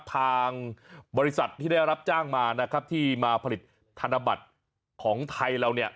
ทางบริษัทที่ได้รับจ้างมานะครับที่มาผลิตธนบัตรของไทยเราเนี่ย